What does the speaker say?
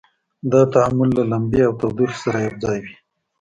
دا تعامل له لمبې او تودوخې سره یو ځای وي.